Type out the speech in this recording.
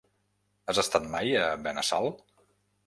Has estat mai a Benassal?